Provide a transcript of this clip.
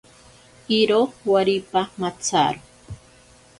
Iro waripa matsaro.